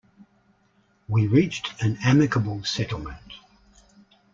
We reached an amicable settlement.